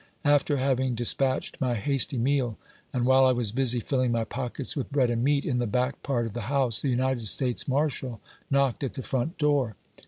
After having despatched my hasty meal, and while I was busy filling my pockets with bread and meat, in the back part of the house, the United States Marshal knocked at the front door.